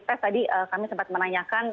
tes tadi kami sempat menanyakan